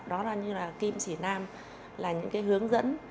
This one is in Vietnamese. đó là như là kim chỉ nam là những cái hướng dẫn